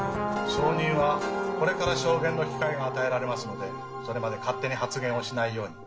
証人はこれから証言の機会が与えられますのでそれまで勝手に発言をしないように。